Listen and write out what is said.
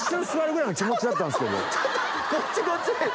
こっちこっち！